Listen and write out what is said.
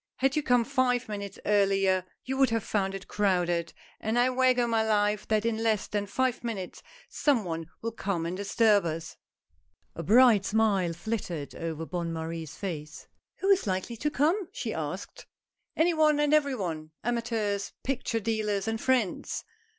Had you come five minutes earlier you would have found it crowded, and I wager my life that in less than five minutes some one will come and disturb us." HOW PICTURES ARE MADE. 139 A bright smile flitted over Bonne Marie's face. " Who is likely to come ?" she asked. "Any one and every one — amateurs, picture dealers, and friends.